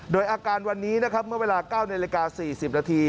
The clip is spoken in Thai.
โดยอาการวันนี้เมื่อเวลา๙นาที๔๐นาที